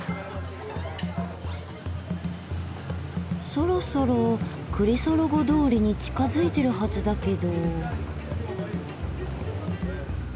そろそろクリソロゴ通りに近づいてるはずだけど。